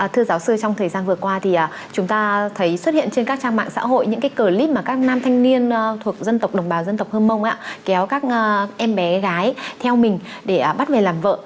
thưa giáo sư trong thời gian vừa qua thì chúng ta thấy xuất hiện trên các trang mạng xã hội những cái clip mà các nam thanh niên thuộc dân tộc đồng bào dân tộc hơ mông ạ kéo các em bé gái theo mình để bắt về làm vợ